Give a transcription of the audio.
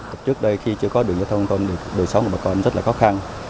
trước đây khi chưa có đường giao thông đường sống của bà con rất là khó khăn